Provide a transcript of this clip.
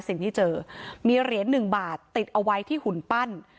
สิ่งที่เจอมีเหรียญหนึ่งบาทติดเอาไว้ที่หุ่นปั้น